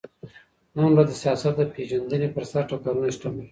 نن ورځ د سياست د پېژندني پر سر ټکرونه شتون لري.